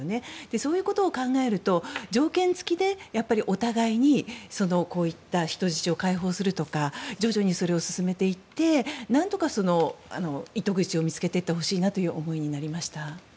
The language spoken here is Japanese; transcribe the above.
そういうことを考えると条件付きでお互いに、人質を解放するとか徐々にそれを進めていって何とか糸口を見つけていってほしいなという思いになりました。